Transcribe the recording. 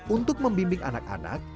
untuk membimbing anak anak